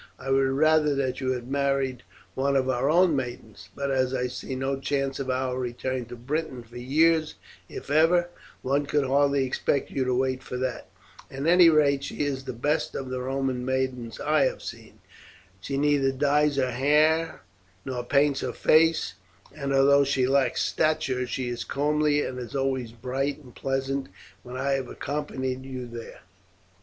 I would rather that you had married one of our own maidens; but as I see no chance of our return to Britain for years, if ever, one could hardly expect you to wait for that. At any rate she is the best of the Roman maidens I have seen. She neither dyes her hair nor paints her face, and although she lacks stature, she is comely, and is always bright and pleasant when I have accompanied you there.